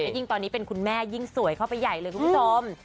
ยิ่งตอนนี้เป็นคุณแม่ยิ่งสวยเข้าไปใหญ่เลยคุณผู้ชม